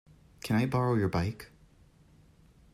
Can I borrow your bike?